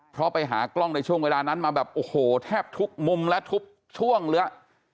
เพราะไปหากล้องในช่วงเวลานั้นมาแบบโอ้โหแทบทุกมุมและทุกช่วงเลย